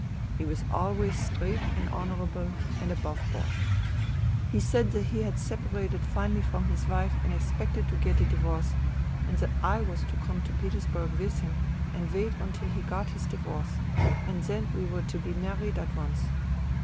He was always straight and honourable and above board. He said that he had separated finally from his wife and expected to get a divorce, and that I was to come to Petersburg with him and wait till he got his divorce, and then we were to be married at once.